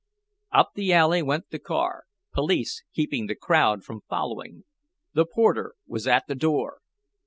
Up the alley went the car, police keeping the crowd from following. The porter was at the door.